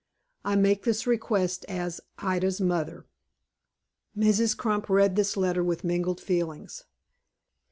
I make this request as "IDA'S MOTHER." Mrs. Crump read this letter with mingled feelings.